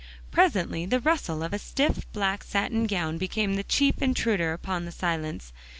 Presently the rustle of a stiff black satin gown became the chief intruder upon the silence.